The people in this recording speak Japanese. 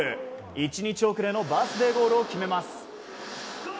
１日遅れのバースデーゴールを決めます。